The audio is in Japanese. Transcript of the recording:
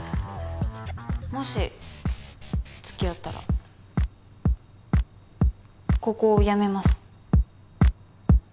もし付き合ったらここを辞めます。